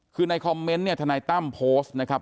คือในคอมเมนต์เนี่ยทนายตั้มโพสต์นะครับ